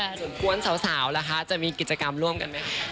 ส่วนกวนสาวล่ะคะจะมีกิจกรรมร่วมกันไหมคะ